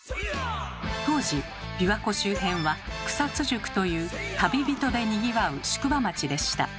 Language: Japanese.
当時琵琶湖周辺は草津宿という旅人でにぎわう宿場町でした。